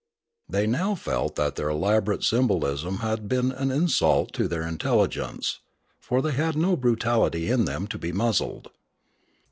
They now felt that their elab orate symbolism had been an insult to their intelli gence; for they had no brutality in them to be muzzled.